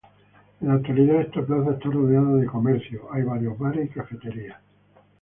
En la actualidad esta plaza está rodeada de comercios, hay varios bares y cafeterías.